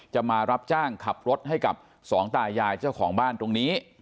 มารับจ้างขับรถให้กับสองตายายเจ้าของบ้านตรงนี้